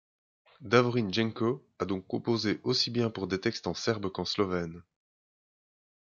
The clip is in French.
Davorin Jenko a donc composé aussi bien pour des textes en serbe qu'en slovène.